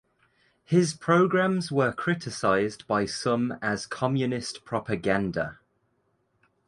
His programs were criticised by some as communist propaganda.